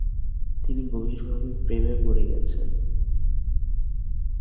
তিনি গভীরভাবে প্রেমে পড়ে গেছেন।